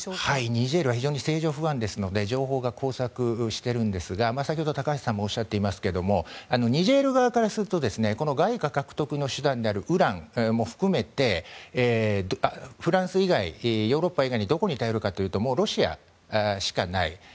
ニジェールは非常に政情不安ですので情報が交錯しているんですが高橋さんもおっしゃっていましたがニジェール側からすると外貨獲得の手段であるウランも含めてフランス以外、ヨーロッパ以外にどこに頼るかというとロシアしかない。